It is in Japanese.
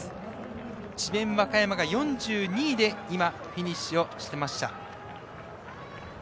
和歌山が４２位でフィニッシュをしました。